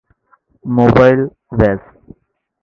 mobile Vyas